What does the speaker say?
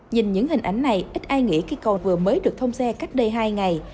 nhìn những hình ảnh này ít ai nghĩ khi cầu vừa mới được thông xe cách đây hai ngày